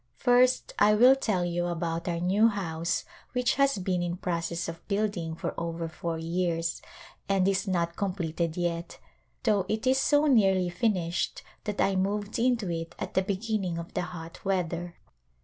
First I will tell you about our new house which has been in process of building for over four years and is not completed yet, though it is so nearly finished that I moved into it at the beginning of the hot weather.